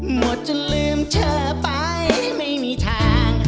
หมดจนลืมเธอไปไม่มีทาง